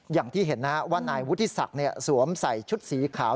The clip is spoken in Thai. อย่างที่เห็นว่านายวุฒิศักดิ์สวมใส่ชุดสีขาว